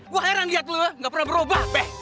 gua heran liat lo gak pernah berubah be